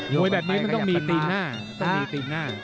โม้ยแบบนี้มันต้องมีตีนหน้า